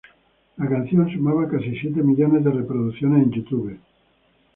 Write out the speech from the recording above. La canción sumaba casi siete millones de reproducciones en YouTube.